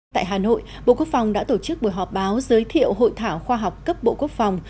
tại hà nội bộ quốc phòng đã tổ chức buổi họp báo giới thiệu hội thảo khoa học cấp bộ quốc phòng